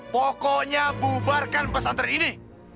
pokoknya bubarkan pesantren ini